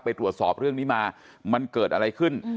ไปตรวจสอบเรื่องนี้มามันเกิดอะไรขึ้น